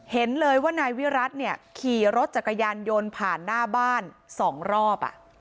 เห็นเลยว่านายวิรัติเนี่ยขี่รถจักรยานยนต์ผ่านหน้าบ้าน๒รอบ